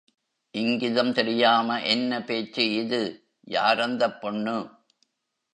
இங்கிதம் தெரியாம என்ன பேச்சு இது? யார் அந்தப் பொண்ணு?